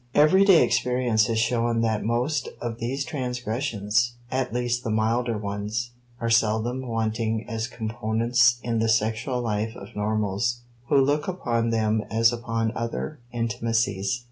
Everyday experience has shown that most of these transgressions, at least the milder ones, are seldom wanting as components in the sexual life of normals who look upon them as upon other intimacies.